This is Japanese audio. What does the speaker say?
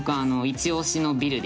イチ押しのビル？